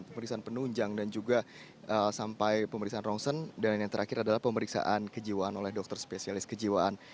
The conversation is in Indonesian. pemeriksaan penunjang dan juga sampai pemeriksaan rongsen dan yang terakhir adalah pemeriksaan kejiwaan oleh dokter spesialis kejiwaan